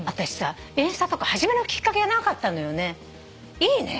いいね。